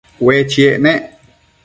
Ue chiec nec